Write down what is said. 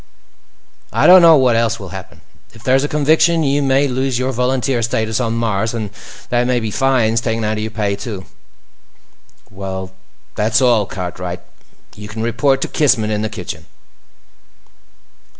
"I don't know what else will happen. If there's a conviction, you may lose your volunteer status on Mars. And there may be fines taken out of your pay, too. "Well, that's all, Cartwright. You can report to Kissman in the kitchen."